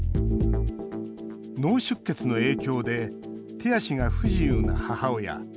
脳出血の影響で手足が不自由な母親。